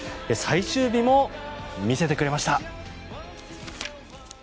最終日も見せてくれました。